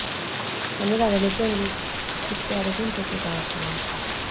Gainera, delituen gutxitzearekin pozik agertu da.